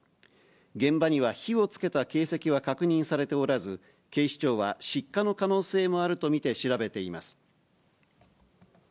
現場には火をつけた形跡は確認されておらず、警視庁は失火の可能性もあると見て、調べています。